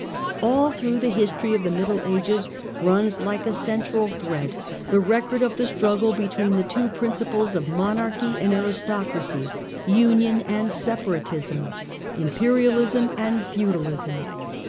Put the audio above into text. All through the history of the Middle Ages runs, like a central thread, the record of the struggle between the two principles of monarchy and aristocracy, union and separatism, imperialism and feudal ism.